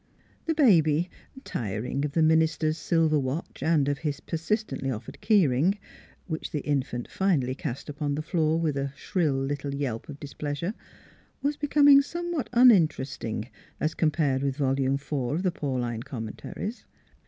The baby, tiring of the minister's silver watch and of his persistently offered key ring which the infant finally cast upon the floor with a shrill little yelp of displeasure was becoming somewhat unin teresting as compared with Volume IV of the Pauline Commentaries.